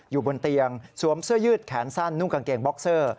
อยู่บนเตียงสวมเสื้อยืดแขนสั้นนุ่งกางเกงบ็อกเซอร์